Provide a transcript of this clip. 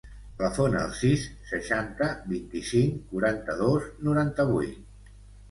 Telefona al sis, seixanta, vint-i-cinc, quaranta-dos, noranta-vuit.